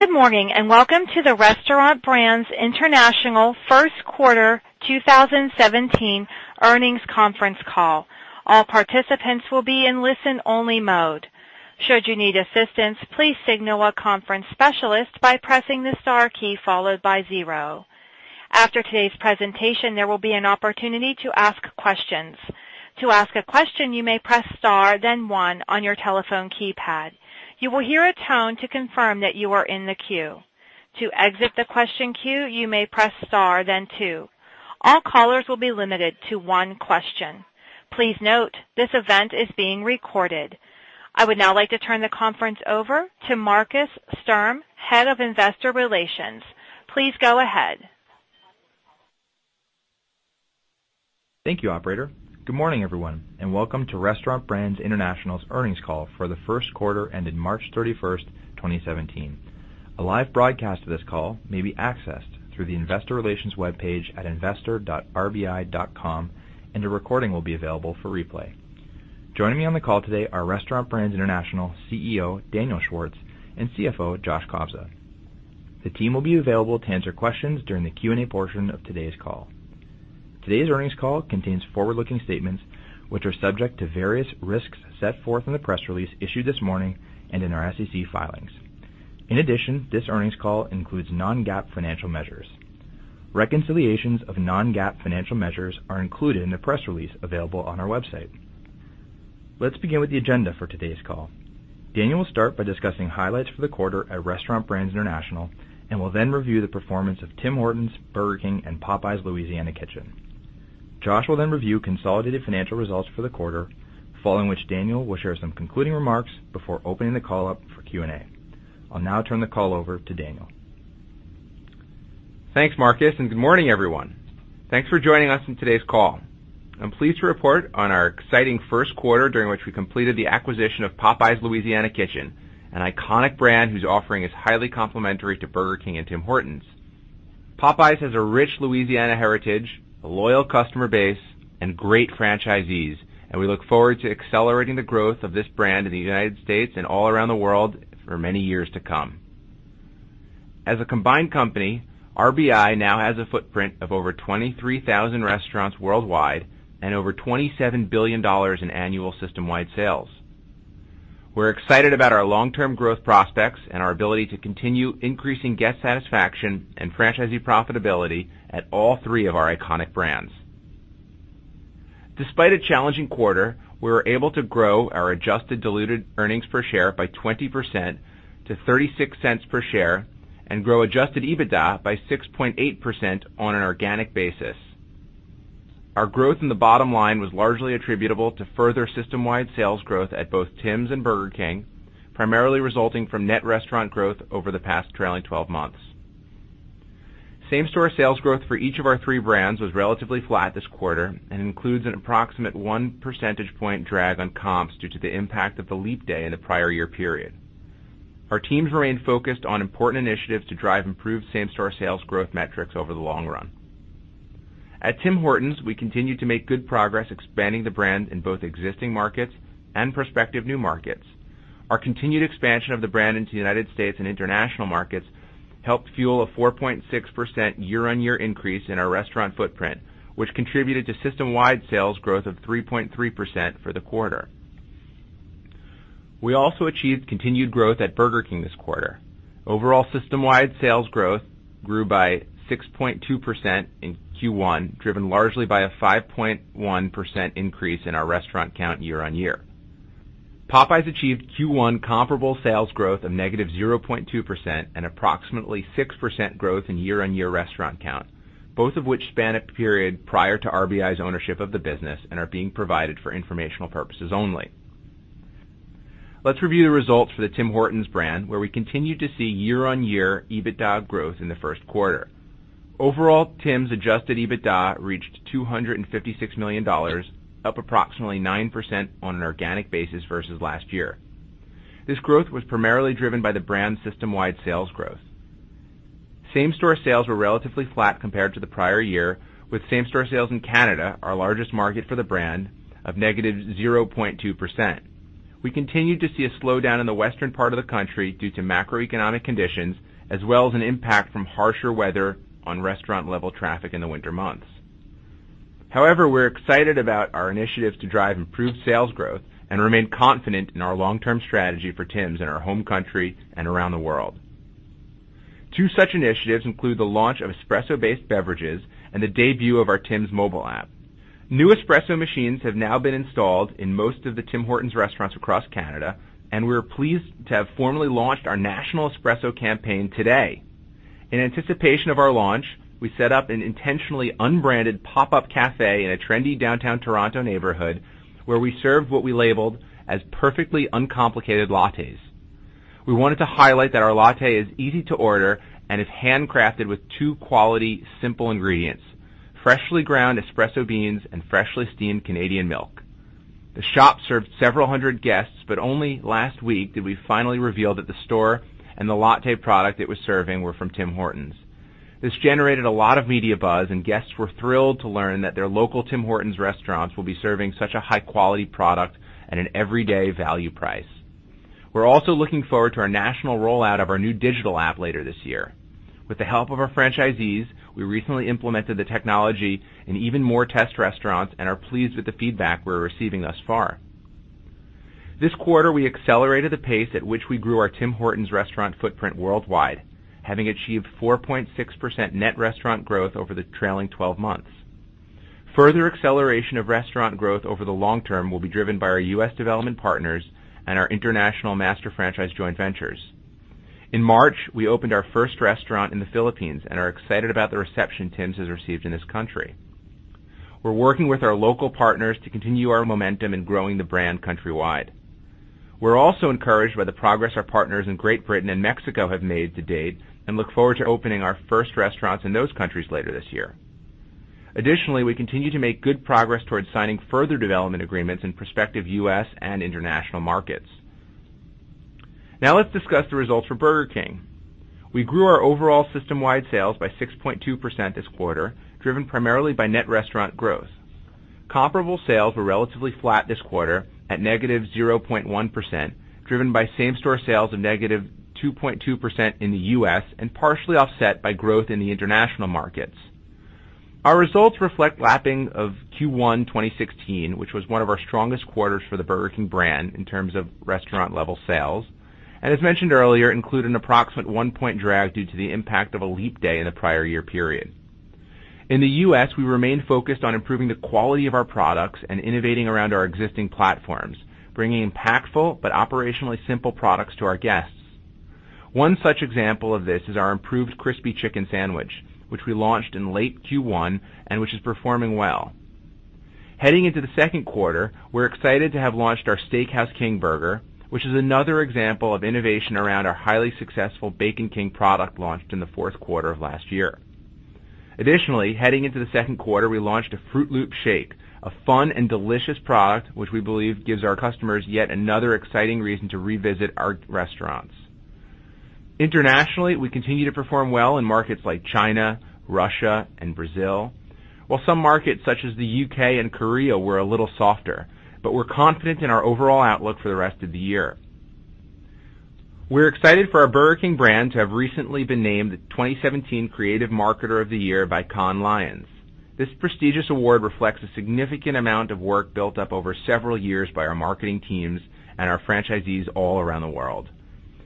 Good morning, and welcome to the Restaurant Brands International first quarter 2017 earnings conference call. All participants will be in listen-only mode. Should you need assistance, please signal a conference specialist by pressing the star key followed by zero. After today's presentation, there will be an opportunity to ask questions. To ask a question, you may press star then one on your telephone keypad. You will hear a tone to confirm that you are in the queue. To exit the question queue, you may press star then two. All callers will be limited to one question. Please note, this event is being recorded. I would now like to turn the conference over to Markus Sturm, Head of Investor Relations. Please go ahead. Thank you, operator. Good morning, everyone, and welcome to Restaurant Brands International's earnings call for the first quarter ended March 31st, 2017. A live broadcast of this call may be accessed through the investor relations webpage at investor.rbi.com, and a recording will be available for replay. Joining me on the call today are Restaurant Brands International CEO, Daniel Schwartz, and CFO, Joshua Kobza. The team will be available to answer questions during the Q&A portion of today's call. Today's earnings call contains forward-looking statements, which are subject to various risks set forth in the press release issued this morning and in our SEC filings. In addition, this earnings call includes non-GAAP financial measures. Reconciliations of non-GAAP financial measures are included in the press release available on our website. Let's begin with the agenda for today's call. Daniel will start by discussing highlights for the quarter at Restaurant Brands International and will then review the performance of Tim Hortons, Burger King, and Popeyes Louisiana Kitchen. Josh will then review consolidated financial results for the quarter, following which Daniel will share some concluding remarks before opening the call up for Q&A. I'll now turn the call over to Daniel. Thanks, Markus, and good morning, everyone. Thanks for joining us on today's call. I'm pleased to report on our exciting first quarter, during which we completed the acquisition of Popeyes Louisiana Kitchen, an iconic brand whose offering is highly complementary to Burger King and Tim Hortons. Popeyes has a rich Louisiana heritage, a loyal customer base, and great franchisees, and we look forward to accelerating the growth of this brand in the United States and all around the world for many years to come. As a combined company, RBI now has a footprint of over 23,000 restaurants worldwide and over 27 billion dollars in annual system-wide sales. We're excited about our long-term growth prospects and our ability to continue increasing guest satisfaction and franchisee profitability at all three of our iconic brands. Despite a challenging quarter, we were able to grow our Adjusted Diluted Earnings Per Share by 20% to 0.36 per share and grow Adjusted EBITDA by 6.8% on an organic basis. Our growth in the bottom line was largely attributable to further system-wide sales growth at both Tims and Burger King, primarily resulting from net restaurant growth over the past trailing 12 months. Same-store sales growth for each of our three brands was relatively flat this quarter and includes an approximate one percentage point drag on comps due to the impact of the leap day in the prior year period. Our teams remain focused on important initiatives to drive improved same-store sales growth metrics over the long run. At Tim Hortons, we continue to make good progress expanding the brand in both existing markets and prospective new markets. Our continued expansion of the brand into U.S. and international markets helped fuel a 4.6% year-over-year increase in our restaurant footprint, which contributed to system-wide sales growth of 3.3% for the quarter. We also achieved continued growth at Burger King this quarter. Overall system-wide sales growth grew by 6.2% in Q1, driven largely by a 5.1% increase in our restaurant count year-over-year. Popeyes achieved Q1 comparable sales growth of -0.2% and approximately 6% growth in year-over-year restaurant count, both of which span a period prior to RBI's ownership of the business and are being provided for informational purposes only. Let's review the results for the Tim Hortons brand, where we continued to see year-over-year EBITDA growth in the first quarter. Overall, Tims' Adjusted EBITDA reached 256 million dollars, up approximately 9% on an organic basis versus last year. This growth was primarily driven by the brand's system-wide sales growth. Same-store sales were relatively flat compared to the prior year, with same-store sales in Canada, our largest market for the brand, of negative 0.2%. We continued to see a slowdown in the western part of the country due to macroeconomic conditions as well as an impact from harsher weather on restaurant-level traffic in the winter months. However, we're excited about our initiatives to drive improved sales growth and remain confident in our long-term strategy for Tims in our home country and around the world. Two such initiatives include the launch of espresso-based beverages and the debut of our Tims mobile app. New espresso machines have now been installed in most of the Tim Hortons restaurants across Canada, and we are pleased to have formally launched our national espresso campaign today. In anticipation of our launch, we set up an intentionally unbranded pop-up cafe in a trendy downtown Toronto neighborhood where we served what we labeled as perfectly uncomplicated lattes. We wanted to highlight that our latte is easy to order and is handcrafted with two quality, simple ingredients: freshly ground espresso beans and freshly steamed Canadian milk. The shop served several hundred guests, but only last week did we finally reveal that the store and the latte product it was serving were from Tim Hortons. This generated a lot of media buzz, and guests were thrilled to learn that their local Tim Hortons restaurants will be serving such a high-quality product at an everyday value price. We're also looking forward to our national rollout of our new digital app later this year. With the help of our franchisees, we recently implemented the technology in even more test restaurants and are pleased with the feedback we're receiving thus far. This quarter, we accelerated the pace at which we grew our Tim Hortons restaurant footprint worldwide, having achieved 4.6% net restaurant growth over the trailing 12 months. Further acceleration of restaurant growth over the long term will be driven by our U.S. development partners and our international master franchise joint ventures. In March, we opened our first restaurant in the Philippines and are excited about the reception Tim's has received in this country. We're working with our local partners to continue our momentum in growing the brand countrywide. We're also encouraged by the progress our partners in Great Britain and Mexico have made to date and look forward to opening our first restaurants in those countries later this year. Additionally, we continue to make good progress towards signing further development agreements in prospective U.S. and international markets. Now let's discuss the results for Burger King. We grew our overall system-wide sales by 6.2% this quarter, driven primarily by net restaurant growth. Comparable sales were relatively flat this quarter at -0.1%, driven by same-store sales of -2.2% in the U.S. and partially offset by growth in the international markets. Our results reflect lapping of Q1 2016, which was one of our strongest quarters for the Burger King brand in terms of restaurant-level sales, and as mentioned earlier, include an approximate one point drag due to the impact of a leap day in the prior year period. In the U.S., we remain focused on improving the quality of our products and innovating around our existing platforms, bringing impactful but operationally simple products to our guests. One such example of this is our improved Crispy Chicken Sandwich, which we launched in late Q1 and which is performing well. Heading into the second quarter, we're excited to have launched our Steakhouse King Burger, which is another example of innovation around our highly successful Bacon King product launched in the fourth quarter of last year. Additionally, heading into the second quarter, we launched a Froot Loops Shake, a fun and delicious product, which we believe gives our customers yet another exciting reason to revisit our restaurants. Internationally, we continue to perform well in markets like China, Russia, and Brazil. While some markets such as the U.K. and Korea were a little softer, but we're confident in our overall outlook for the rest of the year. We're excited for our Burger King brand to have recently been named the 2017 Creative Marketer of the Year by Cannes Lions. This prestigious award reflects a significant amount of work built up over several years by our marketing teams and our franchisees all around the world.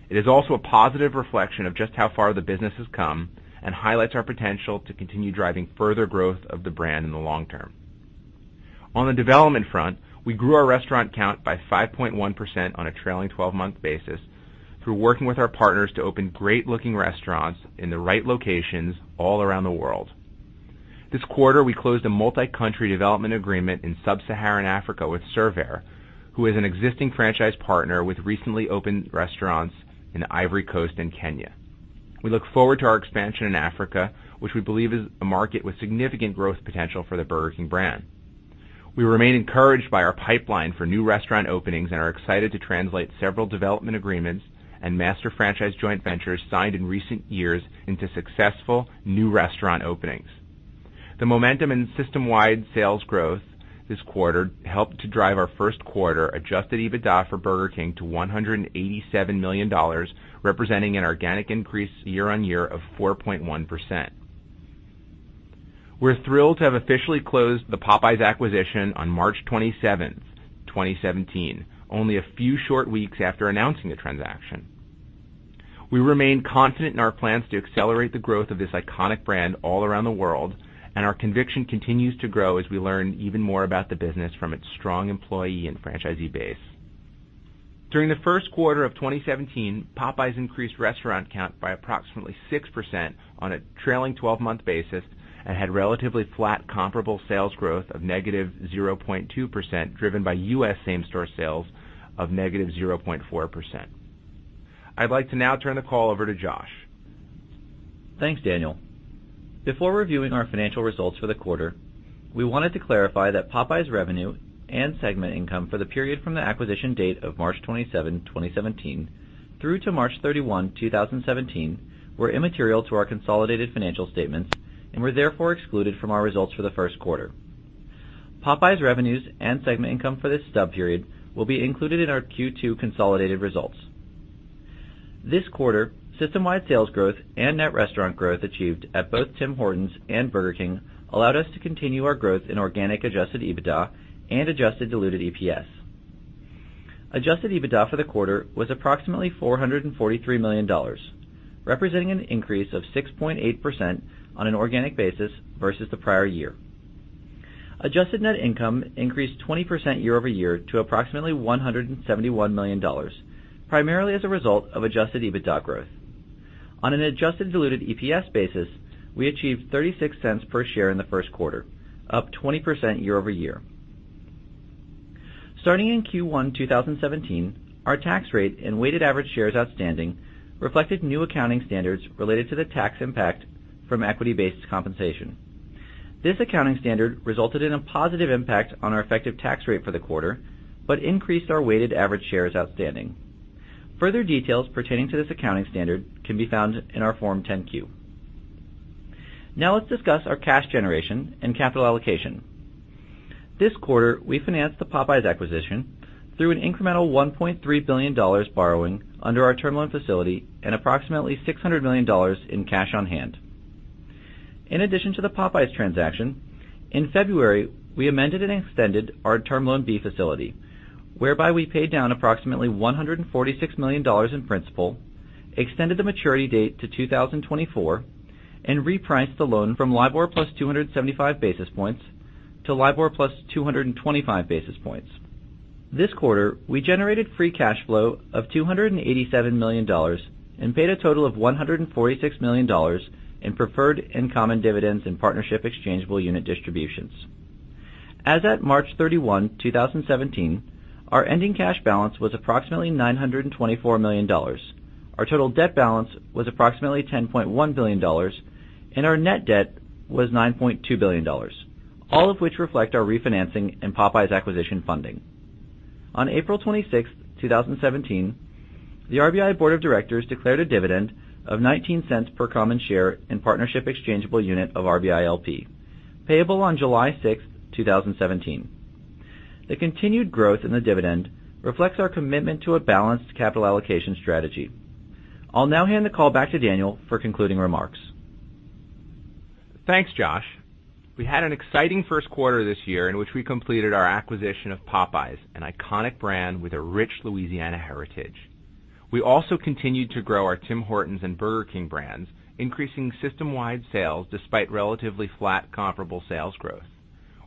It is also a positive reflection of just how far the business has come and highlights our potential to continue driving further growth of the brand in the long term. On the development front, we grew our restaurant count by 5.1% on a trailing 12-month basis through working with our partners to open great-looking restaurants in the right locations all around the world. This quarter, we closed a multi-country development agreement in sub-Saharan Africa with Servair, who is an existing franchise partner with recently opened restaurants in Ivory Coast and Kenya. We look forward to our expansion in Africa, which we believe is a market with significant growth potential for the Burger King brand. We remain encouraged by our pipeline for new restaurant openings and are excited to translate several development agreements and master franchise joint ventures signed in recent years into successful new restaurant openings. The momentum and system-wide sales growth this quarter helped to drive our first quarter Adjusted EBITDA for Burger King to CAD 187 million, representing an organic increase year-over-year of 4.1%. We're thrilled to have officially closed the Popeyes acquisition on March 27th, 2017, only a few short weeks after announcing the transaction. We remain confident in our plans to accelerate the growth of this iconic brand all around the world, and our conviction continues to grow as we learn even more about the business from its strong employee and franchisee base. During the first quarter of 2017, Popeyes increased restaurant count by approximately 6% on a trailing 12-month basis and had relatively flat comparable sales growth of -0.2%, driven by U.S. same-store sales of -0.4%. I'd like to now turn the call over to Josh. Thanks, Daniel. Before reviewing our financial results for the quarter, we wanted to clarify that Popeyes revenue and segment income for the period from the acquisition date of March 27, 2017, through to March 31, 2017, were immaterial to our consolidated financial statements and were therefore excluded from our results for the first quarter. Popeyes revenues and segment income for this stub period will be included in our Q2 consolidated results. This quarter, system-wide sales growth and net restaurant growth achieved at both Tim Hortons and Burger King allowed us to continue our growth in organic Adjusted EBITDA and Adjusted Diluted EPS. Adjusted EBITDA for the quarter was approximately 443 million dollars, representing an increase of 6.8% on an organic basis versus the prior year. Adjusted net income increased 20% year-over-year to approximately 171 million dollars, primarily as a result of Adjusted EBITDA growth. On an Adjusted Diluted EPS basis, we achieved 0.36 per share in the first quarter, up 20% year-over-year. Starting in Q1 2017, our tax rate and weighted average shares outstanding reflected new accounting standards related to the tax impact from equity-based compensation. This accounting standard resulted in a positive impact on our effective tax rate for the quarter, but increased our weighted average shares outstanding. Further details pertaining to this accounting standard can be found in our Form 10-Q. Let's discuss our cash generation and capital allocation. This quarter, we financed the Popeyes acquisition through an incremental 1.3 billion dollars borrowing under our term loan facility and approximately 600 million dollars in cash on hand. In addition to the Popeyes transaction, in February, we amended and extended our Term Loan B facility, whereby we paid down approximately 146 million dollars in principal, extended the maturity date to 2024, and repriced the loan from LIBOR plus 275 basis points to LIBOR plus 225 basis points. This quarter, we generated free cash flow of 287 million dollars and paid a total of 146 million dollars in preferred and common dividends and partnership exchangeable unit distributions. As at March 31, 2017, our ending cash balance was approximately 924 million dollars. Our total debt balance was approximately 10.1 billion dollars, and our net debt was 9.2 billion dollars, all of which reflect our refinancing and Popeyes acquisition funding. On April 26th, 2017, the RBI Board of Directors declared a dividend of 0.19 per common share and partnership exchangeable unit of RBI LP, payable on July 6th, 2017. The continued growth in the dividend reflects our commitment to a balanced capital allocation strategy. I'll now hand the call back to Daniel for concluding remarks. Thanks, Josh. We had an exciting first quarter this year in which we completed our acquisition of Popeyes, an iconic brand with a rich Louisiana heritage. We also continued to grow our Tim Hortons and Burger King brands, increasing system-wide sales despite relatively flat comparable sales growth.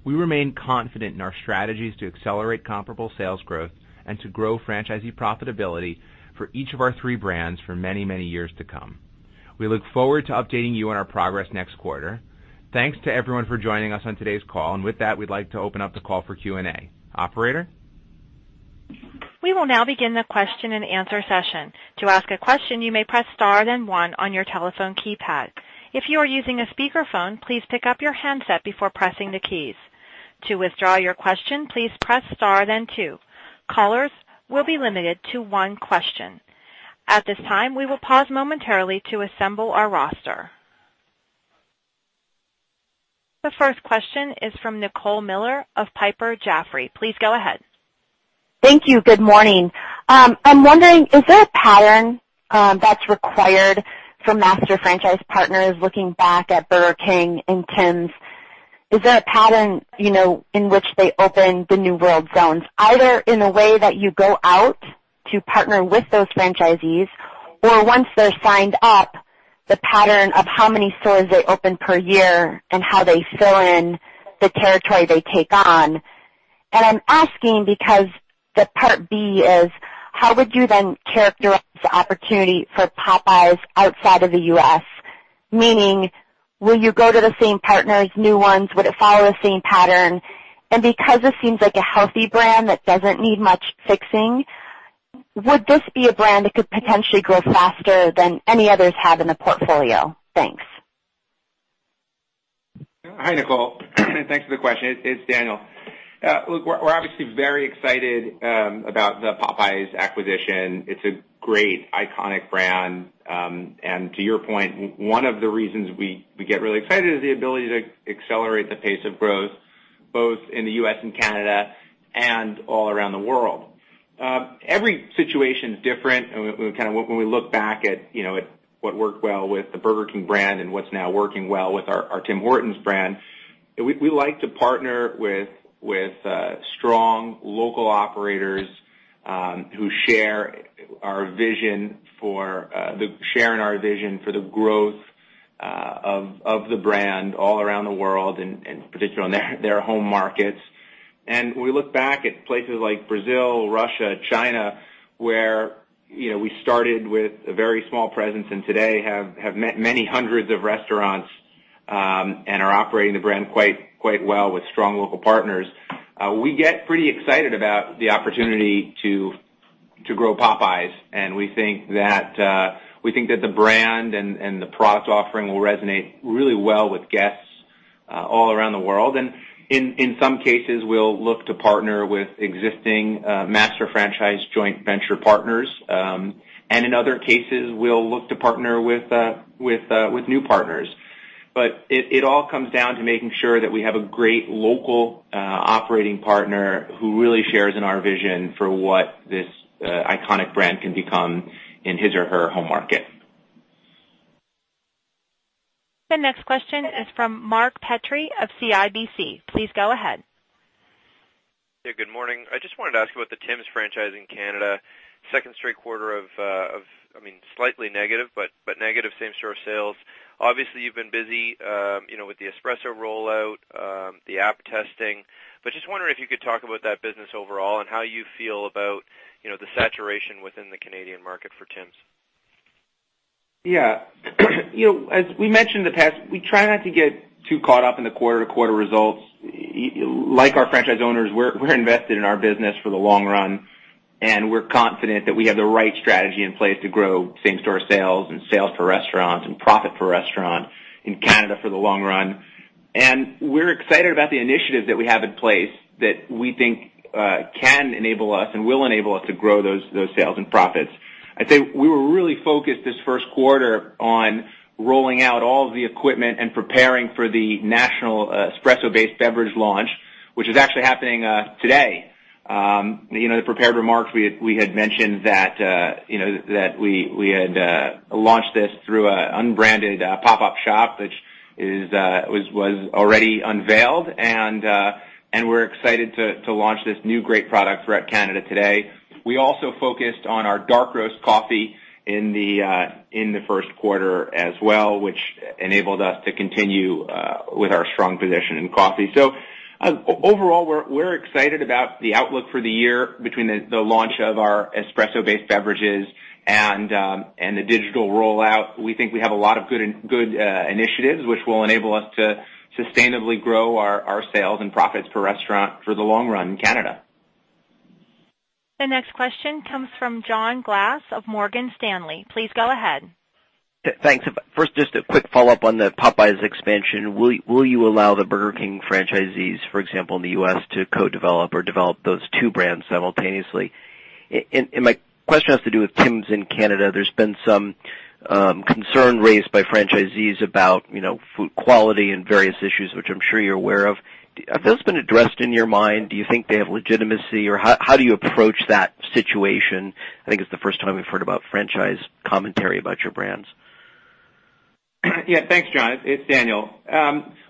We remain confident in our strategies to accelerate comparable sales growth and to grow franchisee profitability for each of our three brands for many years to come. We look forward to updating you on our progress next quarter. Thanks to everyone for joining us on today's call. With that, we'd like to open up the call for Q&A. Operator? We will now begin the question-and-answer session. To ask a question, you may press star, then one on your telephone keypad. If you are using a speakerphone, please pick up your handset before pressing the keys. To withdraw your question, please press star then two. Callers will be limited to one question. At this time, we will pause momentarily to assemble our roster. The first question is from Nicole Miller of Piper Jaffray. Please go ahead. Thank you. Good morning. I'm wondering, is there a pattern that's required for master franchise partners? Looking back at Burger King and Tims, is there a pattern in which they open the new world zones, either in the way that you go out to partner with those franchisees, or once they're signed up, the pattern of how many stores they open per year and how they fill in the territory they take on? I'm asking because the part B is, how would you then characterize the opportunity for Popeyes outside of the U.S.? Meaning, will you go to the same partners, new ones? Would it follow the same pattern? Because this seems like a healthy brand that doesn't need much fixing, would this be a brand that could potentially grow faster than any others have in the portfolio? Thanks. Hi, Nicole. Thanks for the question. It's Daniel. Look, we're obviously very excited about the Popeyes acquisition. It's a great iconic brand. To your point, one of the reasons we get really excited is the ability to accelerate the pace of growth, both in the U.S. and Canada and all around the world. Every situation is different. When we look back at what worked well with the Burger King brand and what's now working well with our Tim Hortons brand, we like to partner with strong local operators who share in our vision for the growth of the brand all around the world, particularly on their home markets. When we look back at places like Brazil, Russia, China, where we started with a very small presence and today have many hundreds of restaurants, are operating the brand quite well with strong local partners, we get pretty excited about the opportunity to grow Popeyes. We think that the brand and the product offering will resonate really well with guests all around the world. In some cases, we'll look to partner with existing master franchise joint venture partners. In other cases, we'll look to partner with new partners. It all comes down to making sure that we have a great local operating partner who really shares in our vision for what this iconic brand can become in his or her home market. The next question is from Mark Petrie of CIBC. Please go ahead. Good morning. I just wanted to ask about the Tims franchise in Canada. Second straight quarter of slightly negative, but negative same-store sales. Obviously, you've been busy with the espresso rollout, the app testing, just wondering if you could talk about that business overall and how you feel about the saturation within the Canadian market for Tims. As we mentioned in the past, we try not to get too caught up in the quarter-to-quarter results. Like our franchise owners, we're invested in our business for the long run. We're confident that we have the right strategy in place to grow same-store sales and sales per restaurant and profit per restaurant in Canada for the long run. We're excited about the initiatives that we have in place that we think can enable us and will enable us to grow those sales and profits. I'd say we were really focused this first quarter on rolling out all of the equipment and preparing for the national espresso-based beverage launch, which is actually happening today. In the prepared remarks, we had mentioned that we had launched this through an unbranded pop-up shop, which was already unveiled, and we're excited to launch this new great product throughout Canada today. We also focused on our Dark Roast coffee in the first quarter as well, which enabled us to continue with our strong position in coffee. Overall, we're excited about the outlook for the year between the launch of our espresso-based beverages and the digital rollout. We think we have a lot of good initiatives which will enable us to sustainably grow our sales and profits per restaurant for the long run in Canada. The next question comes from John Glass of Morgan Stanley. Please go ahead. Thanks. First, just a quick follow-up on the Popeyes expansion. Will you allow the Burger King franchisees, for example, in the U.S., to co-develop or develop those two brands simultaneously? My question has to do with Tims in Canada. There's been some concern raised by franchisees about food quality and various issues, which I'm sure you're aware of. Have those been addressed in your mind? Do you think they have legitimacy, or how do you approach that situation? I think it's the first time we've heard about franchise commentary about your brands. Yeah. Thanks, John. It's Daniel.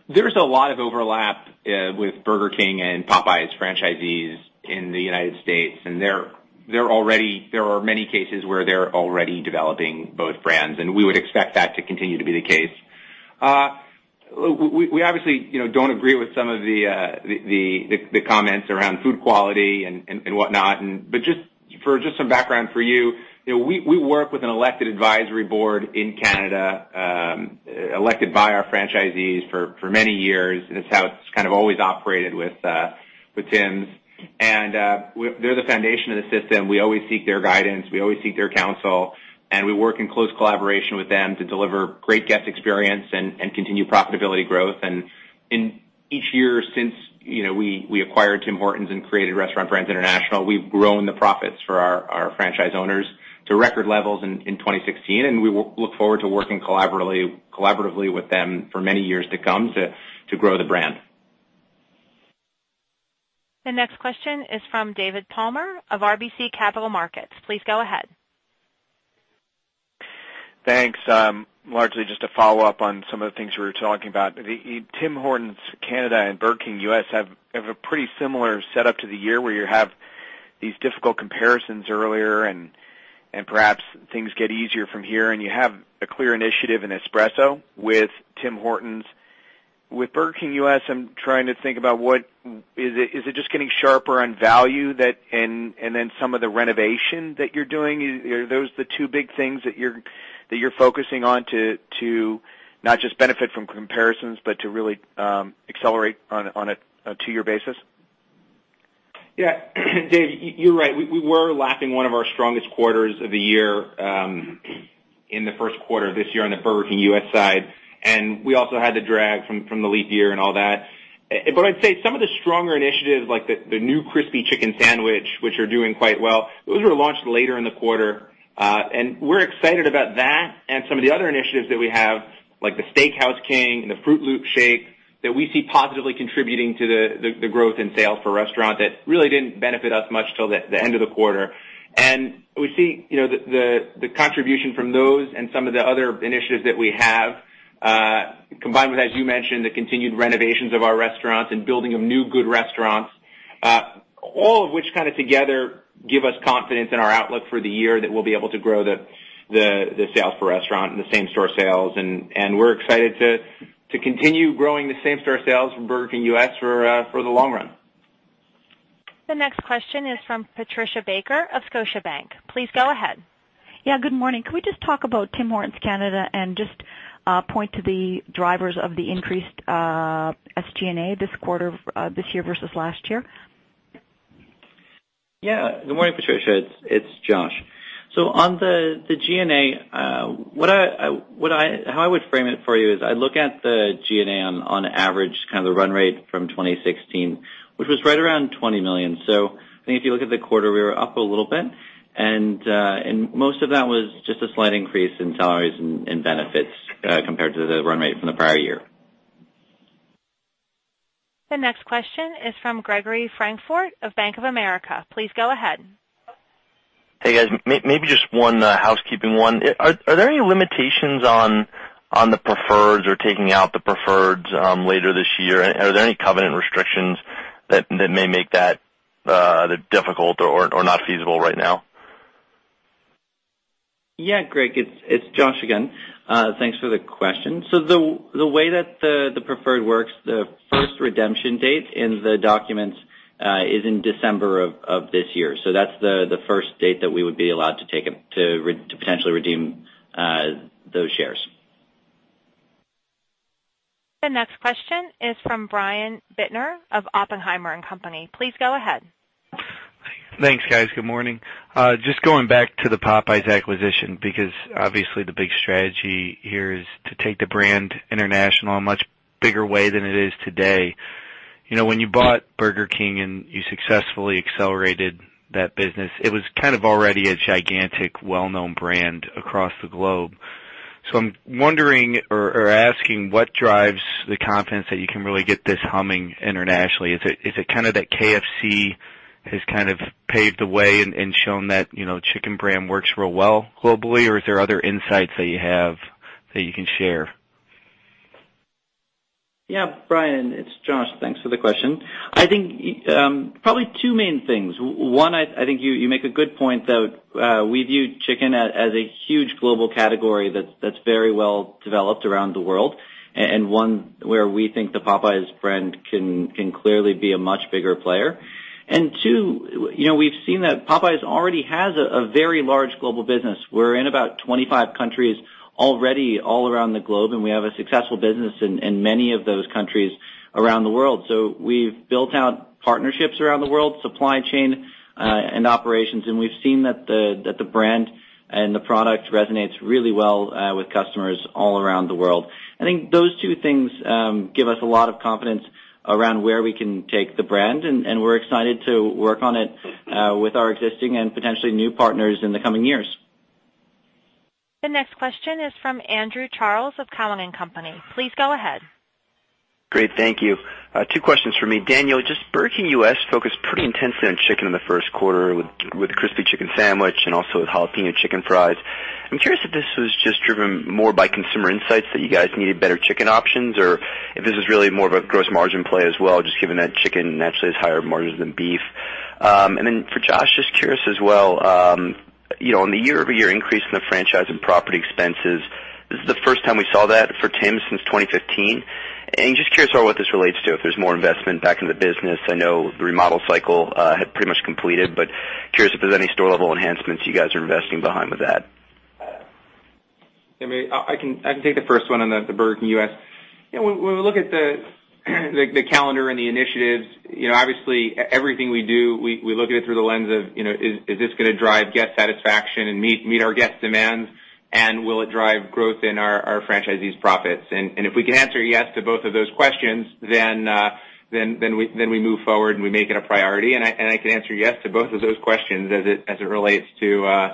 There's a lot of overlap with Burger King and Popeyes franchisees in the United States. There are many cases where they're already developing both brands, and we would expect that to continue to be the case. We obviously don't agree with some of the comments around food quality and whatnot. For just some background for you, we work with an elected advisory board in Canada, elected by our franchisees for many years, and it's how it's kind of always operated with Tims. They're the foundation of the system. We always seek their guidance, we always seek their counsel, and we work in close collaboration with them to deliver great guest experience and continue profitability growth. In each year since we acquired Tim Hortons and created Restaurant Brands International, we've grown the profits for our franchise owners to record levels in 2016, and we look forward to working collaboratively with them for many years to come to grow the brand. The next question is from David Palmer of RBC Capital Markets. Please go ahead. Thanks. Largely just to follow up on some of the things you were talking about. Tim Hortons Canada and Burger King U.S. have a pretty similar setup to the year, where you have these difficult comparisons earlier, and perhaps things get easier from here, and you have a clear initiative in espresso with Tim Hortons. With Burger King U.S., is it just getting sharper on value, and then some of the renovation that you're doing? Are those the two big things that you're focusing on to not just benefit from comparisons, but to really accelerate on a two-year basis? Yeah, Dave, you're right. We were lapping one of our strongest quarters of the year in the first quarter of this year on the Burger King U.S. side, and we also had the drag from the leap year and all that. I'd say some of the stronger initiatives, like the new Crispy Chicken Sandwich, which are doing quite well, those were launched later in the quarter. We're excited about that and some of the other initiatives that we have, like the Steakhouse King and the Froot Loops Shake, that we see positively contributing to the growth in sales per restaurant that really didn't benefit us much till the end of the quarter. We see the contribution from those and some of the other initiatives that we have, combined with, as you mentioned, the continued renovations of our restaurants and building of new good restaurants, all of which kind of together give us confidence in our outlook for the year that we'll be able to grow the sales per restaurant and the same-store sales. We're excited to continue growing the same-store sales for Burger King U.S. for the long run. The next question is from Patricia Baker of Scotiabank. Please go ahead. Yeah, good morning. Could we just talk about Tim Hortons Canada and just point to the drivers of the increased SG&A this quarter this year versus last year? Yeah. Good morning, Patricia. It's Josh. On the G&A, how I would frame it for you is I look at the G&A on average, kind of the run rate from 2016, which was right around 20 million. I think if you look at the quarter, we were up a little bit, and most of that was just a slight increase in salaries and benefits compared to the run rate from the prior year. The next question is from Gregory Francfort of Bank of America. Please go ahead. Hey, guys, maybe just one housekeeping one. Are there any limitations on the preferreds or taking out the preferreds later this year? Are there any covenant restrictions that may make that either difficult or not feasible right now? Greg, it's Josh again. Thanks for the question. The way that the preferred works, the first redemption date in the documents is in December of this year. That's the first date that we would be allowed to potentially redeem those shares. The next question is from Brian Bittner of Oppenheimer & Co. Please go ahead. Thanks, guys. Good morning. Just going back to the Popeyes acquisition, because obviously the big strategy here is to take the brand international in a much bigger way than it is today. When you bought Burger King and you successfully accelerated that business, it was already a gigantic, well-known brand across the globe. I'm wondering or asking what drives the confidence that you can really get this humming internationally. Is it that KFC has paved the way and shown that chicken brand works real well globally, or are there other insights that you have that you can share? Brian, it's Josh. Thanks for the question. I think probably two main things. One, I think you make a good point that we view chicken as a huge global category that's very well developed around the world and one where we think the Popeyes brand can clearly be a much bigger player. Two, we've seen that Popeyes already has a very large global business. We're in about 25 countries already all around the globe, and we have a successful business in many of those countries around the world. We've built out partnerships around the world, supply chain and operations, and we've seen that the brand and the product resonates really well with customers all around the world. I think those two things give us a lot of confidence around where we can take the brand. We're excited to work on it with our existing and potentially new partners in the coming years. The next question is from Andrew Charles of Cowen and Company. Please go ahead. Great. Thank you. Two questions from me. Daniel, just Burger King U.S. focused pretty intensely on chicken in the first quarter with Crispy Chicken Sandwich and also with Jalapeño Chicken Fries. I'm curious if this was just driven more by consumer insights that you guys needed better chicken options, or if this is really more of a gross margin play as well, just given that chicken naturally has higher margins than beef. For Josh, just curious as well, on the year-over-year increase in the franchise and property expenses, this is the first time we saw that for Tim's since 2015. Just curious about what this relates to, if there's more investment back in the business. I know the remodel cycle had pretty much completed, but curious if there's any store-level enhancements you guys are investing behind with that. I can take the first one on the Burger King U.S. When we look at the calendar and the initiatives, obviously everything we do, we look at it through the lens of, is this going to drive guest satisfaction and meet our guest demands, and will it drive growth in our franchisees' profits? If we can answer yes to both of those questions, we move forward and we make it a priority. I can answer yes to both of those questions as it relates to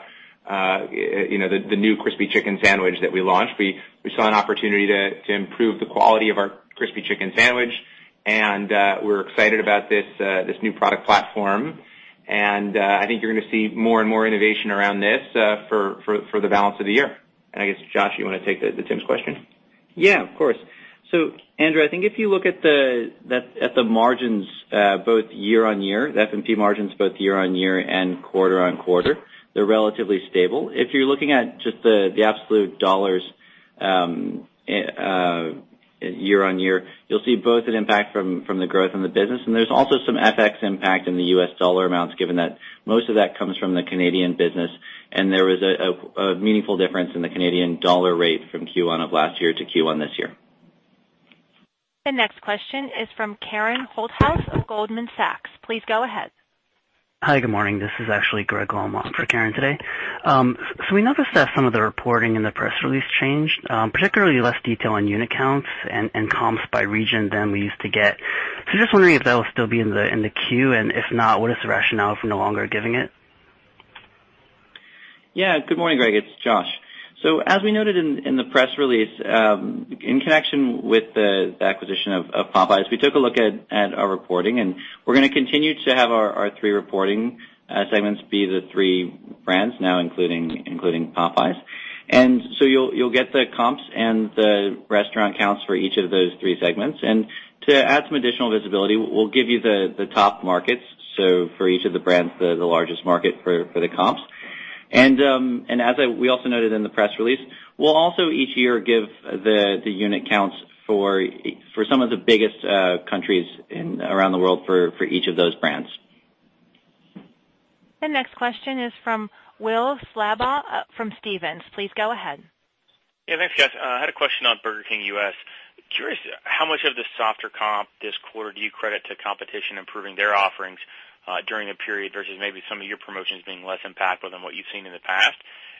the new Crispy Chicken Sandwich that we launched. We saw an opportunity to improve the quality of our Crispy Chicken Sandwich, and we're excited about this new product platform. I think you're going to see more and more innovation around this for the balance of the year. I guess, Josh, you want to take the Tim's question? Yeah, of course. Andrew, I think if you look at the margins both year-over-year, the F&P margins both year-over-year and quarter-over-quarter, they're relatively stable. If you're looking at just the absolute dollars year-over-year, you'll see both an impact from the growth in the business, and there's also some FX impact in the U.S. dollar amounts given that most of that comes from the Canadian business, and there was a meaningful difference in the Canadian dollar rate from Q1 of last year to Q1 this year. The next question is from Karen Holthouse of Goldman Sachs. Please go ahead. Hi, good morning. This is actually Greg Lallement for Karen today. We noticed that some of the reporting in the press release changed, particularly less detail on unit counts and comps by region than we used to get. Just wondering if that'll still be in the Q, and if not, what is the rationale for no longer giving it? Yeah. Good morning, Greg. It's Josh. As we noted in the press release, in connection with the acquisition of Popeyes, we took a look at our reporting, we're going to continue to have our three reporting segments be the three brands, now including Popeyes. You'll get the comps and the restaurant counts for each of those three segments. To add some additional visibility, we'll give you the top markets, for each of the brands, the largest market for the comps. As we also noted in the press release, we'll also each year give the unit counts for some of the biggest countries around the world for each of those brands. The next question is from Will Slabaugh from Stephens. Please go ahead. Yeah, thanks, guys. I had a question on Burger King U.S. Curious how much of the softer comp this quarter do you credit to competition improving their offerings during the period versus maybe some of your promotions being less impactful than what you've seen in the past?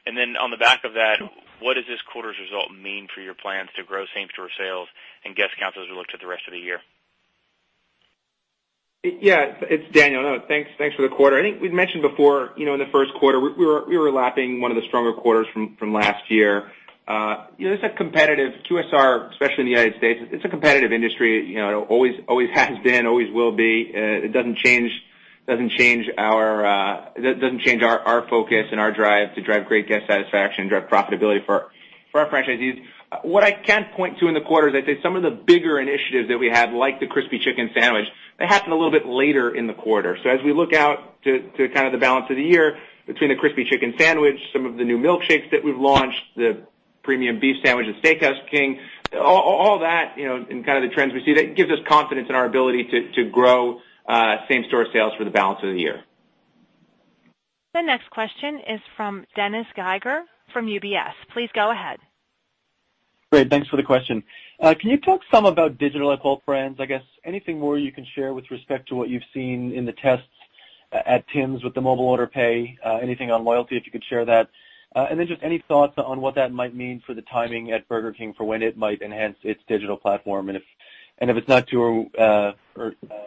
Then on the back of that, what does this quarter's result mean for your plans to grow same-store sales and guest counts as we look to the rest of the year? Yeah, it's Daniel. Thanks for the quarter. I think we've mentioned before, in the first quarter, we were lapping one of the stronger quarters from last year. QSR, especially in the United States, it's a competitive industry. It always has been, always will be. It doesn't change our focus and our drive to drive great guest satisfaction, drive profitability for our franchisees. What I can point to in the quarter is I'd say some of the bigger initiatives that we had, like the Crispy Chicken Sandwich, they happened a little bit later in the quarter. As we look out to kind of the balance of the year between the Crispy Chicken Sandwich, some of the new milkshakes that we've launched, the premium beef sandwich at Steakhouse King, all that and kind of the trends we see, that gives us confidence in our ability to grow same-store sales for the balance of the year. The next question is from Dennis Geiger from UBS. Please go ahead. Great. Thanks for the question. Can you talk some about digital at both brands? I guess anything more you can share with respect to what you've seen in the tests at Tim's with the mobile order pay, anything on loyalty, if you could share that. Then just any thoughts on what that might mean for the timing at Burger King for when it might enhance its digital platform, and if it's not too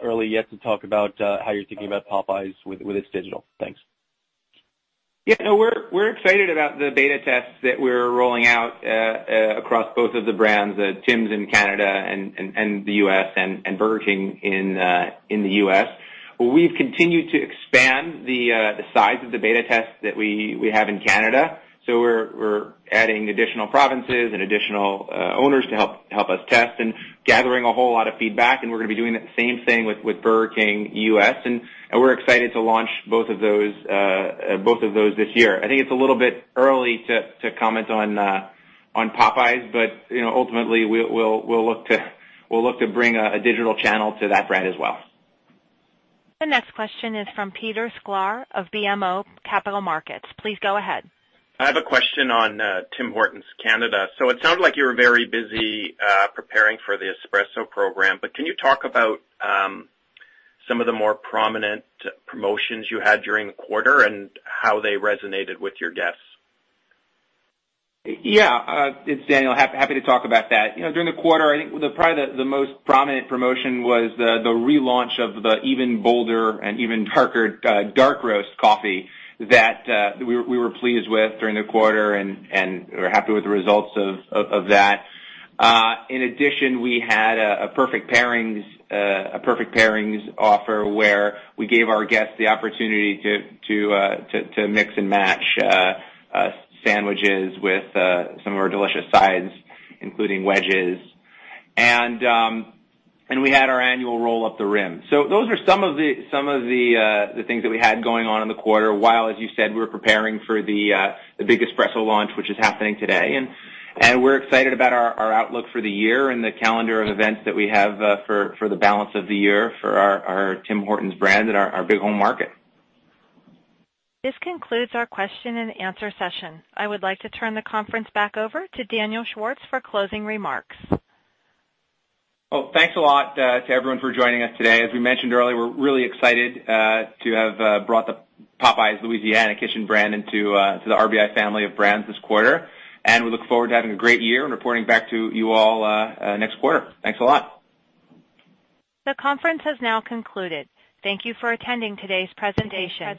early yet to talk about how you're thinking about Popeyes with its digital. Thanks. Yeah, no, we're excited about the beta tests that we're rolling out across both of the brands, Tim's in Canada and the U.S., and Burger King in the U.S. We've continued to expand the size of the beta test that we have in Canada. We're adding additional provinces and additional owners to help us test and gathering a whole lot of feedback, and we're going to be doing that same thing with Burger King U.S. We're excited to launch both of those this year. I think it's a little bit early to comment on Popeyes, ultimately, we'll look to bring a digital channel to that brand as well. The next question is from Peter Sklar of BMO Capital Markets. Please go ahead. I have a question on Tim Hortons Canada. It sounded like you were very busy preparing for the espresso program, can you talk about some of the more prominent promotions you had during the quarter and how they resonated with your guests? Yeah. It's Daniel. Happy to talk about that. During the quarter, I think probably the most prominent promotion was the relaunch of the Even Bolder and Even Darker Dark Roast coffee that we were pleased with during the quarter, we're happy with the results of that. In addition, we had a perfect pairings offer where we gave our guests the opportunity to mix and match sandwiches with some of our delicious sides, including wedges. We had our annual Roll Up the Rim. Those are some of the things that we had going on in the quarter, while, as you said, we were preparing for the big espresso launch, which is happening today. We're excited about our outlook for the year and the calendar of events that we have for the balance of the year for our Tim Hortons brand and our big home market. This concludes our question-and-answer session. I would like to turn the conference back over to Daniel Schwartz for closing remarks. Well, thanks a lot to everyone for joining us today. As we mentioned earlier, we're really excited to have brought the Popeyes Louisiana Kitchen brand into the RBI family of brands this quarter, we look forward to having a great year and reporting back to you all next quarter. Thanks a lot. The conference has now concluded. Thank you for attending today's presentation